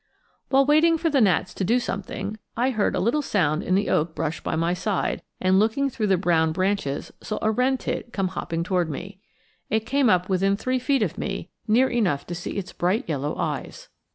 When waiting for the gnats to do something, I heard a little sound in the oak brush by my side, and, looking through the brown branches, saw a wren tit come hopping toward me. It came up within three feet of me, near enough to see its bright yellow eyes.